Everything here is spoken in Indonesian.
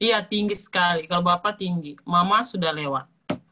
iya tinggi sekali kalau bapak tinggi mama sudah lewat